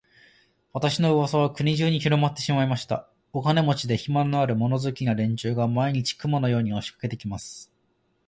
私の噂は国中にひろまってしまいました。お金持で、暇のある、物好きな連中が、毎日、雲のように押しかけて来ます。